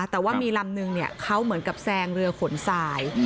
แต่ว่ามีลำนึงเขาเหมือนกับแซงเรือขนทราย